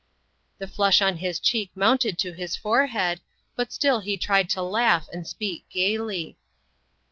The flush on his cheek mounted to his forehead, but still he tried to laugh and speak gayly.